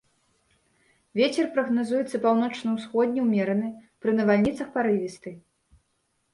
Вецер прагназуецца паўночна-ўсходні ўмераны, пры навальніцах парывісты.